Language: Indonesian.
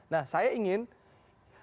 nah saya ingin tahu